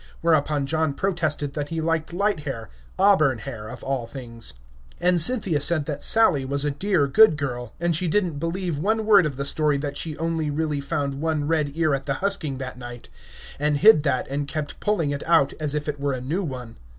Whereupon John protested that he liked light hair auburn hair of all things. And Cynthia said that Sally was a dear, good girl, and she did n't believe one word of the story that she only really found one red ear at the husking that night, and hid that and kept pulling it out as if it were a new one.